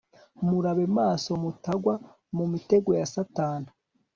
Murabe maso mutagwa mu mitego ya satani